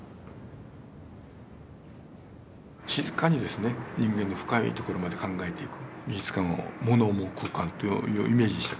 静かに人間の深いところまで考えていく美術館をもの思う空間というイメージしたからね。